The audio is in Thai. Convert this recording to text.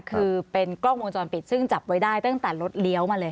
คือเป็นกล้องวงจรปิดซึ่งจับไว้ได้ตั้งแต่รถเลี้ยวมาเลย